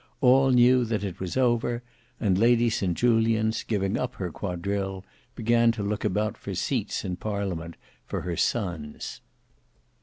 All knew that it was over; and Lady St Julians, giving up her quadrille, began to look about for seats in parliament for her sons.